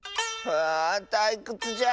はあたいくつじゃ。